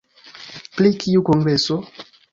Pri kiu kongreso?